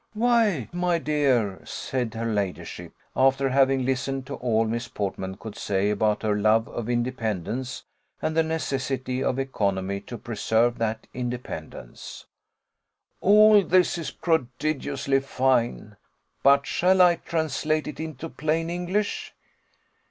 "Why, my dear," said her ladyship, after having listened to all Miss Portman could say about her love of independence, and the necessity of economy to preserve that independence, "all this is prodigiously fine but shall I translate it into plain English?